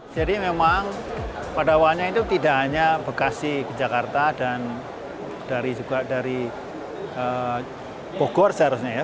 jadi memang pada awalnya itu tidak hanya bekasi ke jakarta dan dari bogor seharusnya ya